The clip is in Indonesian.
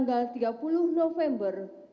wakil ketua ulama